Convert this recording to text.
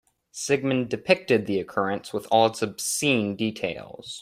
Sigmund depicted the occurrence with all its obscene details.